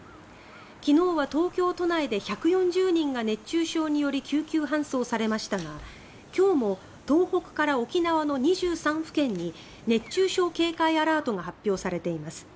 昨日は東京都内で１４０人が熱中症により救急搬送されましたが今日も東北から沖縄の２３府県に熱中症警戒アラートが発表されています。